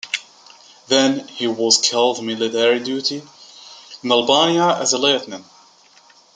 Then he was called to military duty in Albania as a lieutenant.